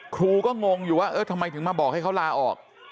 ครูก็งงอยู่ว่าเออทำไมถึงมาบอกให้เขาลาออก